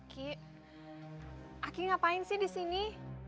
ki aki ngapain sih di sini